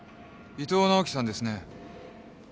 伊藤直季さんですね？